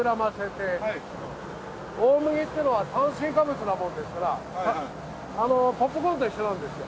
大麦っていうのは炭水化物なものですからポップコーンと一緒なんですよ。